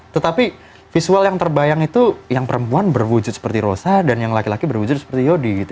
tetapi visual yang terbayang itu yang perempuan berwujud seperti rosa dan yang laki laki berwujud seperti yodi